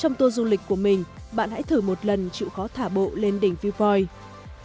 trong tour du lịch của mình bạn hãy thử một lần chịu khó thả bộ lên đỉnh fui